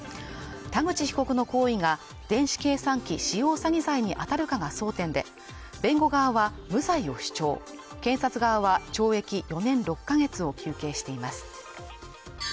田口被告の行為が電子計算機使用詐欺罪に当たるかが争点で、弁護側は無罪を主張、検察側は懲役４年６ヶ月を求刑しています。